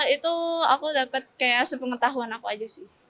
itu aku dapat kayak sepengetahuan aku aja sih